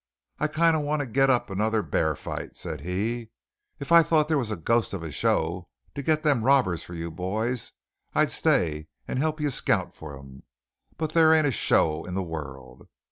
"I kind of want to git up another b'ar fight," said he. "If I thought there was a ghost of a show to git them robbers for you boys, I'd stay and help you scout for them; but there ain't a show in the world.